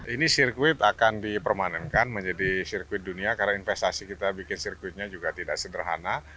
ini sirkuit akan dipermanenkan menjadi sirkuit dunia karena investasi kita bikin sirkuitnya juga tidak sederhana